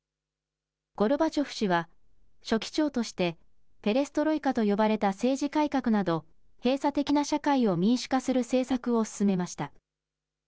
ゴルバチョフ氏は、書記長としてペレストロイカと呼ばれた政治改革など、閉鎖的な社会を民主化する政策を進めました。